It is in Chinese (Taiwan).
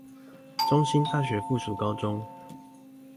中興大學附屬高中